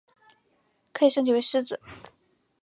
可以升级为狮子。